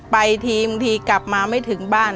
ไปทีกลับมาไม่ถึงบ้าน